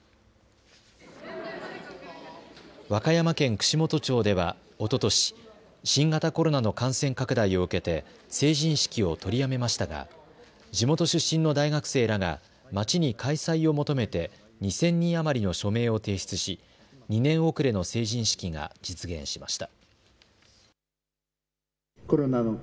串本町では、おととし新型コロナの感染拡大を受けて成人式を取りやめましたが地元出身の大学生らが町に開催を求めて２０００人余りの署名を提出し２年遅れの成人式が実現しました。